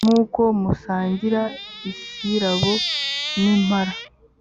nk’uko musangira isirabo n’impara.